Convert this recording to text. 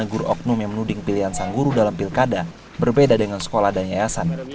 guru oknum yang menuding pilihan sang guru dalam pilkada berbeda dengan sekolah dan yayasan